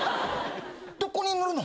どこに塗るの？